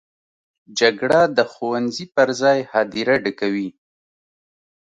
جګړه د ښوونځي پر ځای هدیره ډکوي